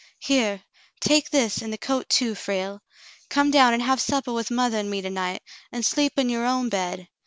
"Here, take this, and the coat, too, Frale. Come down and have suppah with mothah and me to night, and sleep in your own bed.